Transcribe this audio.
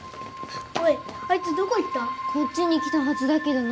こっちに来たはずだけどな。